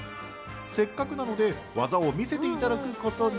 せっかくなので技を見せていただくことに。